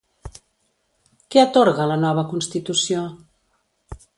Què atorga la nova constitució?